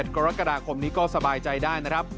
กรกฎาคมนี้ก็สบายใจได้นะครับ